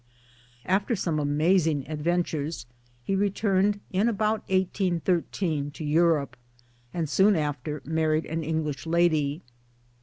After some amazing adventures, he returned in about 1813 to Europe ; and soon after married an English lady.